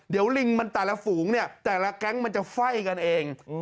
เดี๋ยวลิงมันแต่ละฝูงเนี่ยแต่ละแก๊งมันจะไฟ่กันเอง